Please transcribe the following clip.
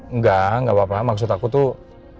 enggak enggak apa apa maksud aku tuh